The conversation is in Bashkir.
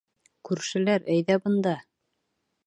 Күршеләр, әйҙә бында!